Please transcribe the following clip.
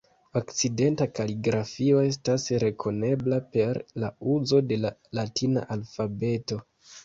Okcidenta kaligrafio estas rekonebla per la uzo de la latina alfabeto.